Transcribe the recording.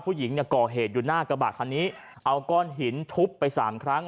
ผู้หญิงเนี่ยก่อเหตุอยู่หน้ากระบะคันนี้เอาก้อนหินทุบไปสามครั้ง